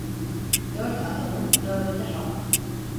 Dört atanın dördü de hak.